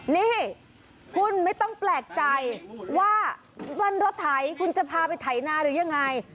นี่คุณไม่ต้องแปลกใจว่าวันรถไถคุณจะพาไปไถนาหรือยังไง